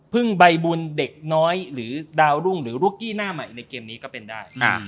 ใบบุญเด็กน้อยหรือดาวรุ่งหรือรุกกี้หน้าใหม่ในเกมนี้ก็เป็นได้